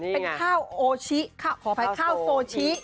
เป็นแข้าวโอชิขาวโซอขออภัยครับวันนี้เั้ง